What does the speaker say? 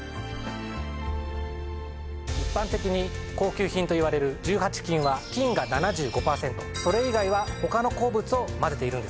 一般的に高級品といわれる１８金は金が７５パーセントそれ以外は他の鉱物を混ぜているんですね。